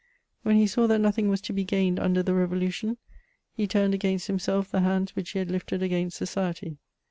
When he saw that nothing was to be gained under the Revolution, he turned against himself the hands which he had lifted against society.